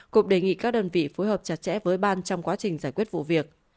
cục đề nghị các đơn vị phối hợp chặt chẽ với ban trong quá trình giải quyết vụ việc